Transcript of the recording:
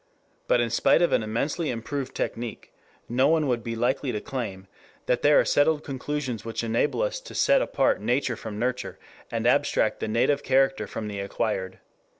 But in spite of an immensely improved technique, no one would be likely to claim that there are settled conclusions which enable us to set apart nature from nurture, and abstract the native character from the acquired.